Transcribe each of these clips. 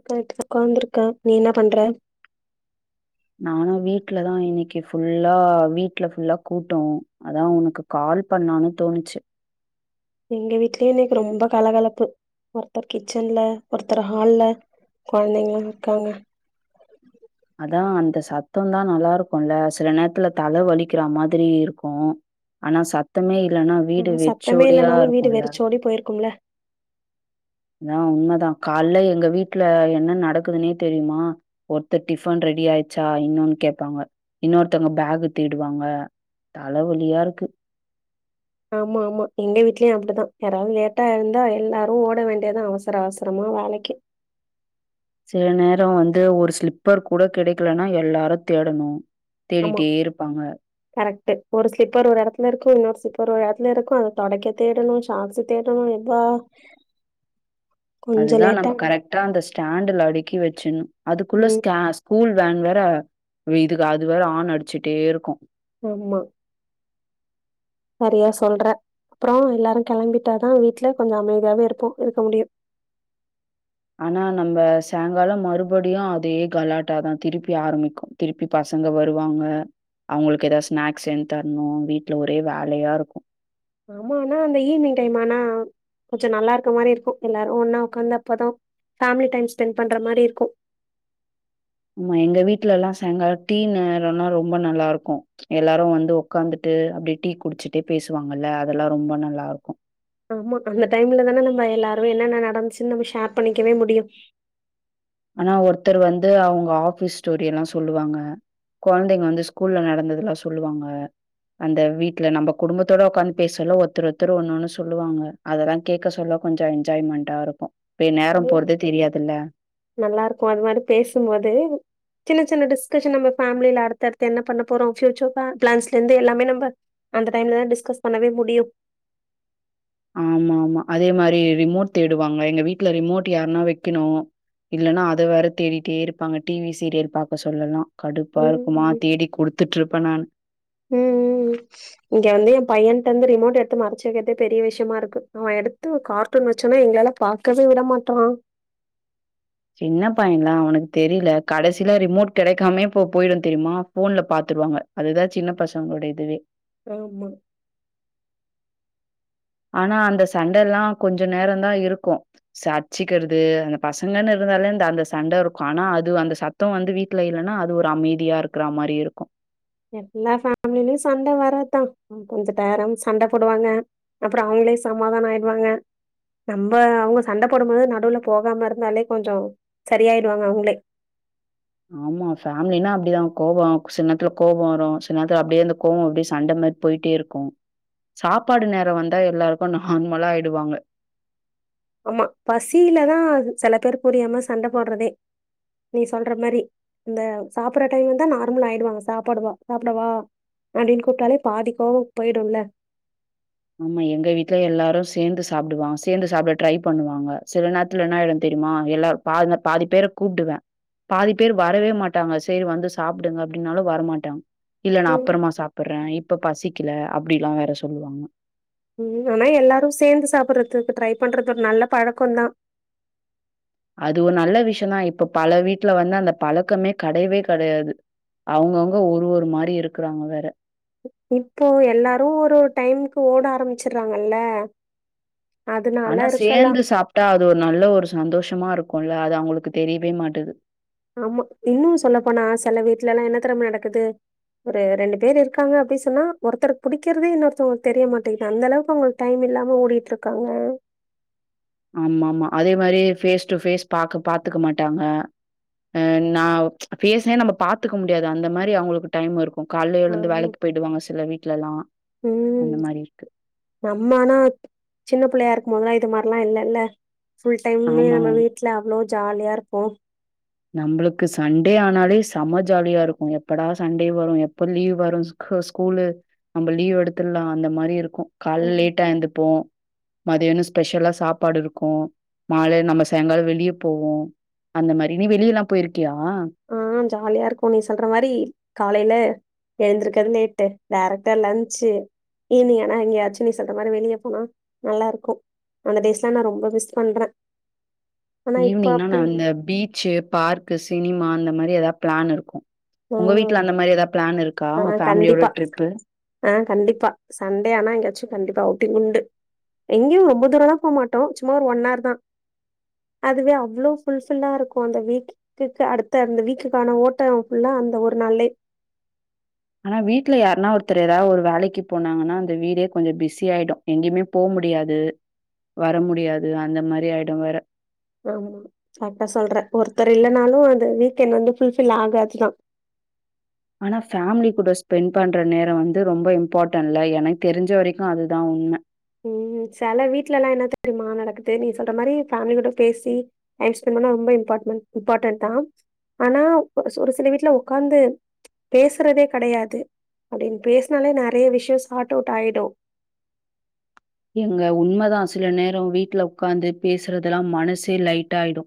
[inaudible] உக்காந்துருக்கே நீ என்ன பண்ற நானு வீட்லதா இன்னிக்கி ஃபுல்லா வீட்ல ஃபுல்லா கூட்டோ அதா உனக்கு கால் பண்ணாலானு தோணுச்சு எங்க வீட்டுலே இன்னைக்கு ரொம்ப கலகலப்பு ஒருத்தர் கிச்சன்ல ஒருத்தர் ஹால்ல கொழந்தைங்களா இருக்காங்க அதா அந்த சத்தோ தா நல்லாருக்குள்ள சில நேரத்துல தல வலிக்கிற மாதிரி இருக்கு அனா சத்தமே இல்லன்னா வீடு வெச்சோடியா இருக்குல்ல டி போயிருக்கும்ல அதா உண்மதா கால்ல எங்க வீட்டுலா என்ன நடக்குதுனே தெரியுமா ஒருத்தர் டிஃபன் ரெடி ஆயிச்சா இன்னொன்னு கேப்பாங்க இன்னொருத்தவங்க பேகு தீடுவாங்க தல வழியா இருக்கு ஆமா ஆமா எங்க வீட்டுலயூ அப்டித்தா யாராவ்து லேட்டா எழுந்தா எல்லாரு ஓட வேண்டியதா அவசர அவசரமா வேலைக்கி சில நேரோ வந்து ஒரு ஸ்லிப்பர் கூட கெடைக்கலனா எல்லாரு தேடணு தேடிட்டே இருப்பாங்க கரெக்ட்டு ஒரு ஸ்லிப்பர் ஒரு எடத்துல இருக்கு இன்னொரு ஸ்லிப்பர் ஒரு எடத்துல இருக்கு அத தொடைக்க தேடணு ஷாக்ஸ் தேடணு இதா அதுதா நம்ப கரெக்ட்டா அந்த ஸ்டாண்டுல அடுக்கி வெச்சிணு அதுக்குள்ள ம் ஸ்கே கூல் வேன் வேற வி இதுக்கு அது வேற ஆன் அடிச்சிட்டே இருக்கு ஆமா நறையா சொல்ற அப்பறோ எல்லாரு கெளம்பீட்டாதா வீட்டுல கொஞ்சோ அமைதியாவே இருப்போ இருக்க முடியு அனா நம்ப சாய்ங்காலோ மறுபடியு அதே கலாட்டாதா திருப்பி ஆரம்மிக்கு திருப்பி பசங்க வருவாங்க அவங்களுக்கு எதாவ் ஸ்நாக்ஸ் சென் தர்ணு வீட்ல ஒரே வேலையா இருக்கு ஆமா அனா அந்த ஈவ்னிங் டைம் ஆனா கொஞ்சோ நல்லா இருக்க மாரி இருக்கு எல்லாரு ஒன்னா ஒக்காந்தப்பதா ஃபேமிலி டைம் ஸ்பெண்ட் பண்ற மாரி இருக்கு ஆமா எங்க வீட்லல்லா சாய்ங்கிலோ டீ நேரனா ரொம்ப நல்லா இருக்கு எல்லாரு வந்து உக்காந்துட்டு அப்டியே டீ குடிச்சிட்டே பேசுவாங்கல்ல அதெல்லா ரொம்ப நல்லா இருக்கு ஆமா அந்த டைம்லதான நம்ம எல்லாரு என்னென்ன நடந்ச்சுன்னு நம்ம ஷேர் பண்ணிக்கவே முடியு ஆனா ஒருத்தர் வந்து அவுங்க ஆஃபீஸ் ஸ்டோரி எல்லா சொல்லுவாங்க கொழந்தைங்க வந்து ஸ்கூல்ல நடந்ததெல்லா சொல்லுவாங்க அந்த வீட்ல நம்ப குடும்பத்தோட உக்காந்து பேசொல ஒருத்தர் ஒருத்தர் ஒண்ணொன்னு சொல்லுவாங்க அதெல்லா கேக்க சொல்ல கொஞ்சோ என்ஜாய்மெண்டா இருக்கு இ்ப்பயே நேரம் நல்லா போறதே தெரியாதில்ல நல்லா இருக்குமா அது மாரி பேசும்போது சின்ன சின்ன டிஸ்கஷன் நம்ம ஃபேமில அடுத்தடுத்து என்ன பண்ண போறோ ஃபூயூச்சர் ப்ளா பிளான்ஸ்லந்து எல்லாமே நம்ப அந்த டைம்லதா டிஸ்கஸ் பண்ணவே முடியு ஆமாமா அதே மாரி ரிமோட் தேடுவாங்க எங்க வீட்ல ரிமோட் யார்னா வெக்கணு இல்லனா அத வேற தேடிட்டே இருப்பாங்க டி வி சீரியல் பாக்க சொல்லல்லா கடுப்பா இருக்கு மா ம் தேடி குடுத்துட்டு இருப்ப நானு ம் ம் ம் இங்க வந்து என் பையன்ட்ட வந்து ரிமோட் எடுத்து மறச்சு வெக்கிறதே பெரிய விஷ்யமா இருக்கு அவன் எடுத்து கார் டூன் வெச்சொன்னே எங்களெல்லா பாக்கவே விட மாற்றான் சின்ன பையன்ல்ல அவன்க்கு தெரில கடைசில ரிமோட் கெடைக்காமயே போ போயிடு தெரிமா ஃபோன்ல பாத்துருவாங்க அதுதா சின்ன பசங்ளோட இதுவே ஆமா ஆனா அந்த சண்டல்லா கொஞ்ச நேரந்தா இருக்கு சாக்சிக்கிறது அந்த பசங்கன்னு இருந்தாலே இந்த அந்த சண்ட இருக்கு ஆனா அது அந்த ச த்தம் வந்து வீட்ல இருனா அது ஒரு அமைதியா இருக்ற மாரி இருக்கு எல்லா ஃபேமிலிலயு சண்ட வரதா ம் கொஞ்ச டேரம் சண்ட போடுவாங்க அப்றோ அவுங்களே சமாதான ஆய்டுவாங்க நம்ப அவுங்க சண்ட போடும்போது நடுவுல போகாம இருந்தாலே கொஞ்சொ சரியாய்டுவாங்க அவுங்ளே ஆமா ஃபேமிலினா அப்டிதா கோவோ சில நேத்துல கோபோ வரு சில நேத்துல அப்டியே அந்த கோபம் அப்டியே சண்ட மாரி போய்ட்டே இருக்கு சாப்பாடு நேரோ வந்தா எல்லாருக்கு நார்மலா ஆய்டுவாங்க ஆமா பசிலதா செல பேர் புரியாம சண்ட போடுறதே நீ சொல்ற மாரி இந்த சாப்பற டைம் வந்தா நார்மலா ஆயிடுவாங்க சாப்டுவா சாப்டவா அப்டின் கூப்ட்டாலே பாதி கோவோ போய்டுல்ல ஆமா எங்க வீட்ல எல்லாரு சேந்து சாப்டுவாங் சேந்து சாப்ட ட்ரை பண்ணுவாங்க சில நேரத்ல என்ன ஆய்டு தெரிமா எல்லாரு பா பாதி பேர கூப்டுவ பாதி பேர் வரவே மாட்டாங்க சரி வந்து சாப்டுங்க அப்டினாலு வரமாட்டாங்க இல்ல நா ம். அப்பறமா சாப்பர்ற இப்ப பசிக்கல அப்டியெல்லா வேற சொல்வாங்க ம் ஆனா எல்லாரு சேந்து சாப்டறதுக்கு ட்ரை பண்றது ஒரு நல்ல பழக்கொந்தா அது ஒரு நல்ல விஷ்யந்தா இப்ப பல வீட்ல வந்து அந்த பழக்கமே கெடையவே கெடையாது அவங்கவுங்க ஒரு ஒரு மாரி இருக்குறாங்க வேற இப்போ எல்லாரு ஒரு ஒரு டைம்க்கு ஓட ஆரம்பிச்சிர்றாங்கல்ல ஆனா சேந்து சாப்ட்டா அது ஒரு நல்ல ஒரு சந்தோஷமா இருக்குல்ல அது அவுங்ளுக்கு தெரியவே மாட்டுது ஆமா இன்னு சொல்லப்போனா செல வீட்லெல்லா என்ன தெரிமா நடக்குது ஒரு ரெண்டு பேர் இருக்காங்க அப்டி சொன்னா ஒருத்தர்க் புடிக்கிறதே இன்னொருத்தவங்களுக்கு தெரிய மாட்டேங்குது அந்த அளவுக்கு அவுங்களுக்கு டைம் இல்லாம ஓடிட்டு இருக்காங்க ஆமாமா அதே மாதிரி ஃபேஸ் டூ ஃபேஸ் பாக்க பாத்துக்க மாட்டாங்க அ நா ஃபேசே நம்ம பாத்துக்க முடியாது அந்த மாரி அவுங்களுக்கு டைம் இருக்கு கால்ல எழுந்து ம் வேலைக்கு போயிடுவாங்க சில வீட்லெல்லா அந்த மாரி இருக்கு நம்மானா சின்ன புள்ளையா இருக்கு போதுலா இது மாரிலா இல்லல ஃபுல் டைம்மே ஆமா. நம்ம வீட்ல அவ்ளோ ஜாலியா இருப்போ நம்பளுக்கு சண்டே ஆனாலே செம ஜாலியா இருக்கு எப்படா சண்டே வரு எப்ப லீவ் வரு ஸ் க ஸ்கூலு நம்ப லீவ் எடுத்துட்லா அந்த மாரி இருக்கு கால் ம் லேட்டா எந்துர்ப்போ மதியானோ ஸ்பெஷலா சாப்பாடு இருக்கு மாலை நம்ம சாயங்கால வெளிய போவோ அந்த மாரி நீ வெளியெல்லா போய்ருக்கியா ஆ ஜாலியா இருக்கு நீ சொல்ற மாரி காலைல எழுந்திருக்கது லேட்டு் டேரக்டா லன்ச்சி ஈவ்னிங் ஆனா எங்கயாச்சு நீ சொல்ற மாரி வெளிய போனா நல்லா இருக்கு அந்த டேஸ்லா நா ரொம்ப மிஸ் பண்ற ஈவ்னிங்னா நா அந்த பீச்சு பார்க்கு சினிமா அந்த மாரி எதா ப்ளான் இருக்கு உங்க ம் வீட்ல அந்த மாரி எதா பிளான் இருக்கா ஆ உ ஃபேமிலியோட கண்டிப்பா. ட்ரிப்பு ஆ கண்டிப்பா சண்டே ஆனா எங்கயாச்சு கண்டிப்பா அவுட்டிங் உண்டு எங்கயு ரொம்ப தூரலா போ மாட்டோ சும்மா ஒரு ஒன் ஹார் தா அதுவே அவ்ளோ ஃபுல் ஃபில்லா இருக்கு அந்த வீக் குக்கு அடுத்த அந்த வீக்குக்கான ஓட்டோ ஃபுல்லா அந்த ஒரு நாள்லே ஆனா வீட்ல யாருனா ஒருத்தரு எதா ஒரு வேலைக்கு போனாங்கனா அந்த வீடே கொஞ்சோ பிஸி ஆய்டு எங்கியுமே போ முடியாது வர முடியாது அந்த மாரி ஆய்டு வேற ஆமா கரட்டா சொல்ற ஒருத்தர் இல்லனாலு அந்த வீக்கெண்ட் வந்து ஃபுல் ஃபில் ஆகாது தா ஆனா ஃபேம்லி கூட ஸ்பெண் பண்ற நேரோ வந்து ரொம்ப இம்பாட்டன்ல எனக் தெரிஞ்ச வரைக்கு அதுதா உண்ம ம் செல வீட்ல லா என்ன தெரிய்மா நடக்குது நீ சொல்ற மாரி ஃபேமிலி கூட பேசி டைம் ஸ்பெண்ட் பண்ணா ரொம்ப இம்பாட்மன்ட் இம்பாட்டன்ட் தா ஆனா ஒரு சு ஒரு சில வீட்ல உக்காந்து பேசுறதே கெடையாது அப்டின் பேசுனாலே நெறைய விஷ்யோ சாட் அவுட் ஆயிடு ஏங்க உண்மதா சில நேரோ வீட்ல உக்காந்து பேசுறதெல்ல மனசே லைட்டா ஆய்டு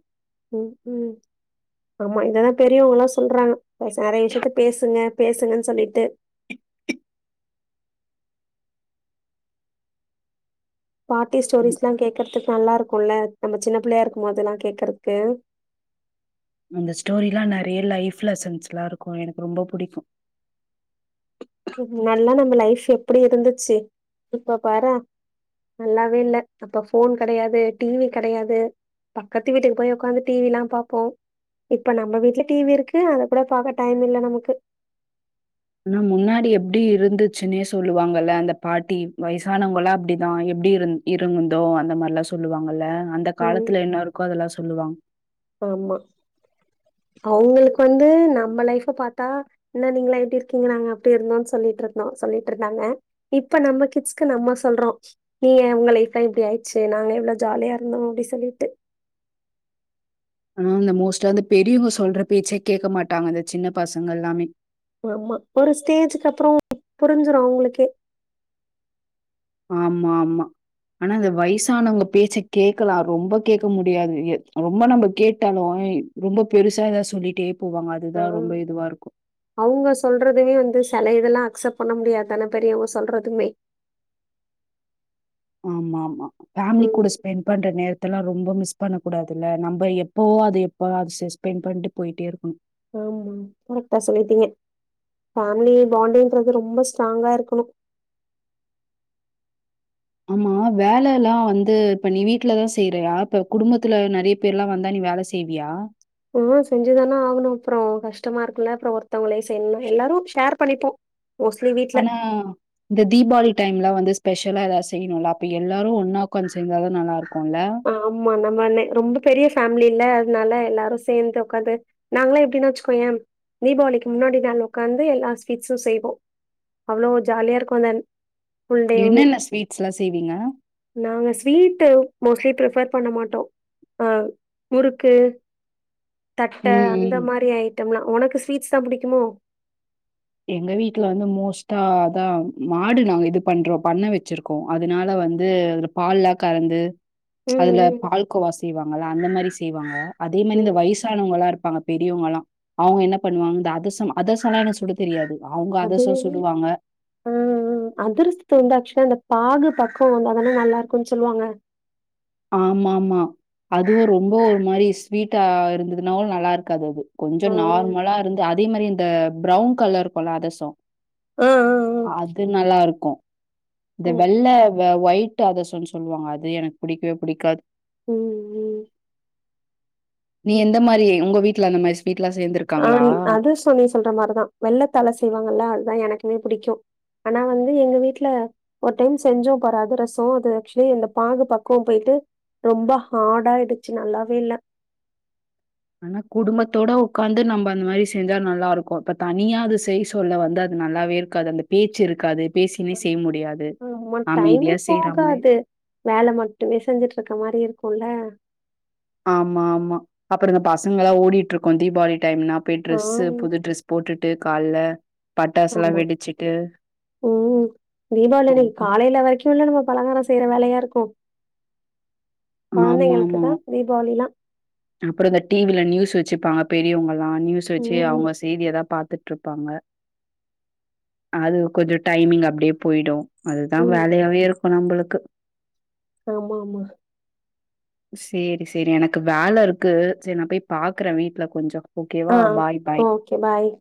ம் ம் ஆமா இத தா பெரியவங்ளா சொல்றாங்க நெறைய விஷியத்த பேசுங்க பேசுங்கன் சொல்லிட்டு பாட்டி ம். ஸ்டோரிஸ்லா கேக்கறதுக் நல்லா இருக்குல்ல நம்ம சின்ன பிள்ளையா இருக்கு போதெல்லா கேக்கறக்கு அந்த ஸ்டோரிலா நெறைய லைப் லெசன்ஸ்லா இருக்கு எனக்கு ரொம்ப புடிக்கு நல்லா நம்ம லைஃப் எப்டி இருந்துச்சி இப்ப பாரே நல்லாவே இல்ல அப்ப ஃபோன் கெடையாது டிவி கெடையாது பக்கத்து வீட்டுக்கு போய் உக்காந்து டிவி லா பாப்போ இப்ப நம்ம வீட்ல டி வி இருக்கு அத கூட பாக்க டைம் இல்ல நமக்கு ஆனா முன்னாடி எப்டி இருந்துச்சுன்னே சொல்லுவாங்கல்ல அந்த பாட்டி வயசானவங்களா அப்டிதா எப்டி இரு இருகுந்தோ அந்த மாரிலா சொல்லுவாங்கல்ல அந்த ம். காலத்துல என்ன இருக்கோ அதெல்லா சொல்லுவாங்க ஆமா அவுங்களுக்கு வந்து நம்ம லைஃப பாத்தா என்ன நீங்களா எப்டி இருக்கீங்க நாங்க அப்டி இருந்தோன் சொல்லிட்ருந்தோ சொல்லிட் இருந்தாங்க இப்ப நம்ம கிட்ஸ்க்கு நம்ம சொல்றோ நீங்க உங்க லைப்லா இப்டி ஆயிடுச்சி நாங்களா எவ்ளோ ஜாலியா இருந்தோ அப்டி சொல்லிட்டு ம் இந்த மோஸ்ட்டா அந்த பெரியவங்க சொல்ற பேச்ச கேக்க மாட்டாங்க இந்த சின்ன பசங்கெல்லாமே ஆமா ஒரு ஸ்டேஜ்க்கு அப்றோ புரிஞ்சிரு அவுங்களுக்கே ஆமா ஆமா ஆனா அந்த வயசானவங்க பேச்ச கேக்கலா ரொம்ப கேக்க முடியாது எ ரொம்ப நம்ம கேட்டாலு ரொம்ப பெருசா எதாது சொல்லிட்டே போவாங்க அதுதா ரொம்ப இதுவா இருக்கு அவுங்க சொல்றதுமே வந்து செல இதெல்லா அக்செப் பண்ண முடியாதான பெரியவுங்க சொல்றதுமே ஆமா ஆமா பேமிலி ம் கூட ஸ்பெண் பண்ற நேரத்தலா ரொம்ப மிஸ் பண்ண கூடாதுல்ல நம்ப எப்போ அது எப்போ அது ஸ்பெண் பண்ணிட்டு போய்ட்டே இருக்கணு ஆமா கரெக்டா சொல்லிட்டீங்க ஃபேமிலி பாண்டுங்குறது ரொம்ப ஸ்ட்ராங்கா இருக்கணு ஆமா வேலலா வந்து இப்ப நீ வீட்லதா செய்றயா இப்ப குடும்பத்துல நெறைய பேர்ல்லா வந்தா நீ வேல செய்வியா ம் செஞ்சுதானே ஆகணு அப்றொ கஷ்டமா இருக்குல அப்புற ஒருத்தவங்களே செய்யணுனா எல்லாரும் ஷேர் பண்ணிப்போ மோஸ்ட்லி வீட் ஆனா இந்த தீபாளி டைம்லா வந்து ஸ்பெஷலா எதாவது செய்யணுல்ல அப்ப எல்லாரு ஒன்னா ஒக்காந்து செஞ்சாதா நல்லா இருக்கு இல்ல ஆமா நம்ம ரொம்ப பெரிய ஃபேமிலி இல்ல அதனால எல்லாரும் சேந்து உக்காந்து நாங்கலா எப்டின்னு வச்சுக்கோய தீபாவளிக்கு முன்னாடி நாள் உக்காந்து எல்லா ஸ்வீட்ஸும் செய்வோ அவ்ளோ ஜாலியா இருக்கும்ந்தன் என்னென்ன ஸ்வீட்ஸ்லா செய்வீங்க நாங்க ஸ்வீட்டு மோஸ்ட்லி ப்ரிப்பேர் பண்ண மாட்டோ ஆ முறுக்கு தட்ட அந்த ம். மாரி ஐட்டம்லா உனக்கு ஸ்வீட்ஸ் தா புடிக்குமோ எங்க வீட்ல வந்து மோஸ்ட்டா அதா மாடு நாங்க இது பண்றோ பண்ண வச்சிருக்கோ ம் அதுனால வந்து அதுல பால்லா கறந்து ம் அதுல ம் பால்கோவா செய்வாங்கல அந்த மாரி செய்வாங்க அதே மாரி இந்த ம் வயசானவங்கல்லா இருப்பாங்க பெரியவுங்கல்லா அவுங்க என்ன பண்ணுவாங்க அந்த அதுசம் அதுசம்லா எனக்கு சுட தெரியாது அவங்க அதிரசம் அதுவேற சுடுவாங்க. ம் ம் அதிர்சத்துக்கு வந்து ஆக்சுவலா அந்த பாகு பக்குவம் வந்தா தானே நல்லா இருக்குன்னு சொல்லுவாங்க ஆமா ஆமா அதுவு ரொம்ப ஒரு மாரி ஸ்வீட்டா இருந்ததுனா நல்லா இருக்காது அது கொஞ்ச ஆ நார்மலா இருந்து அதே மாரி இந்த ப்ரௌன் கலர் இருக்குல்ல அதசம் ஆ ஆ ஆ அது நல்லாருக்கு இந்த ம் வெள்ள இந்த ஒயிட் அதுசம்னு சொல்லுவாங்க அது எனக்கு புடிக்கவே புடிக்காது ம் ம் நீ எந்த மாரி உங்க வீட்ல அந்த மாரி ஸ்வீட்லா சேந்துருக் ஆ நீ அதுசொ நீ சொல்ற மாரிதா வெள்ளத்தால செய்வாங்கல்ல அதுதா எனக்குமே பிடிக்கு ஆனா வந்து எங்க வீட்ல ஒரு டைம் செஞ்சோம் பாரு அதுரசம் அது ஆக்சுவலி அந்த பாகு பக்குவம் போயிட்டு ரொம்ப ஹார்ட்டா ஆயிடுச்சு நல்லாவே இல்ல ஆனா குடும்பத்தோட உக்காந்து நம்ம அந்த மாரி செஞ்சா நல்லா இருக்கும் இப்ப தனியா அது செய் சொல்ல வந்து அது நல்லாவே இரு காது அந்த பேச்சு இருக்காது பேசினே செய்ய முடியாது ஆமா டைமே அமைதியா போகாது செய்றமாரியிருக்கு வேல மட்டுமே செஞ்சுட்ருக்க மாரி இருக்குல்ல ஆமா ஆமா அப்புற இந்த பசங்கலா ஓடிட்டு இருக்கும் தீபாளி டைம்னா போய் ஆ ட்ரெஸ்சு புது ட்ரெஸ் போட்டுட்டு கால்ல பட்டாசுலாம் ஆமா வெடிச்சுட்டு ம் தீபாவளி அன்னைக்கு காலையில வரைக்கி சொல்லனுமா பலகார செய்யற வேலையா இருக்கோ ஆமா ஆமா தான் தீபாவளிலாம். அப்பற இந்த டி வில நியூஸ் வச்சுப்பாங்க பெரியவங்கல்லாம் நியூஸ் வச்சு ம். அவங்க ஸ் செய்தியதா பாத்துட்டு இருப்பாங்க அது கொஞ்சம் டைமிங் அப்டியே போய்டு அதுதா ம். வேலயாவே இருக்கும் நம்மளுக்கு ஆமா ஆமா சேரி சேரி எனக்கு வேல இருக்கு சரி நா போய் பாக்குறே வீட்ல கொஞ்சம் ஆ ஓகேவா? Bye, bye. ஓகே பாய்